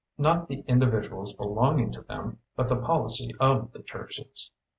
Not the indi viduals belonging to them, but the policy of the churches.